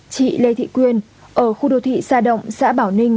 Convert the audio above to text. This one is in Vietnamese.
chị lê thị quyên ở khu đô thị sa động xã bảo ninh